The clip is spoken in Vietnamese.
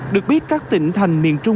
được biết các tỉnh thành miền trung